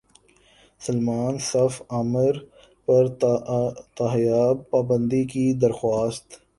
سلمان صف عامر پر تاحیات پابندی کی درخواست